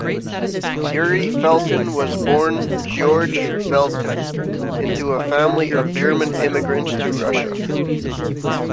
Yury Felten was born Georg Veldten, into a family of German immigrants to Russia.